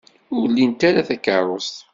Ur lint ara takeṛṛust.